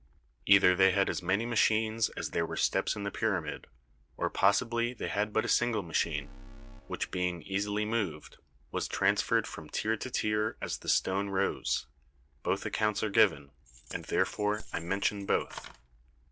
Either they had as many machines as there were steps in the pyramid, or possibly they had but a single machine, which, being easily moved, was transferred from tier to tier as the stone rose both accounts are given, and therefore I mention both.